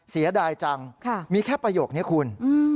เสียดายจังมีแค่ประโยคนี้คุณ